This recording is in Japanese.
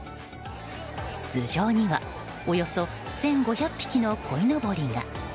頭上には、およそ１５００匹のこいのぼりが。